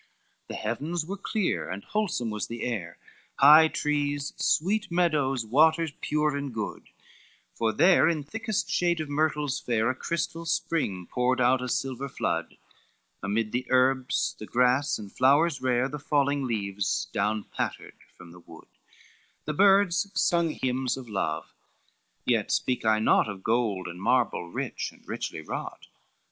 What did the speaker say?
LXIII "The heavens were clear, and wholsome was the air, High trees, sweet meadows, waters pure and good; For there in thickest shade of myrtles fair A crystal spring poured out a silver flood; Amid the herbs, the grass and flowers rare, The falling leaves down pattered from the wood, The birds sung hymns of love; yet speak I naught Of gold and marble rich, and richly wrought.